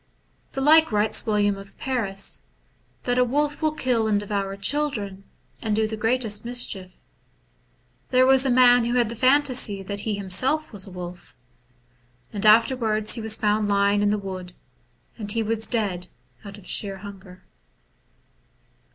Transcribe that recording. The like writes William of Paris, — that a wolf will kill and devour children, and do the greatest mischief. There was a man who had the phantasy that he himself was a wolf. And afterwards he was found lying in the wood, and he was dead out of sheer hunger.